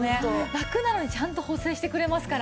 ラクなのにちゃんと補整してくれますから。